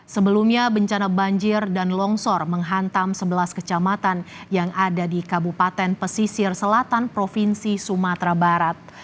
sebelumnya bencana banjir dan longsor menghantam sebelas kecamatan yang ada di kabupaten pesisir selatan provinsi sumatera barat